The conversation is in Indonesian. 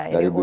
ya ini untuk